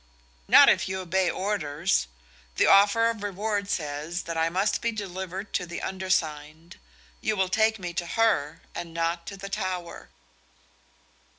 "Not if you obey orders. The offer of reward says that I must be delivered to the undersigned. You will take me to her and not to the Tower."